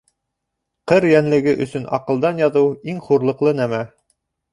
Ҡыр йәнлеге өсөн аҡылдан яҙыу — иң хурлыҡлы нәмә!